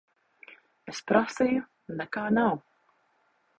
Es prasīju. Nekā nav.